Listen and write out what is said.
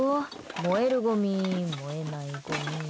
燃えるごみ、燃えないごみ。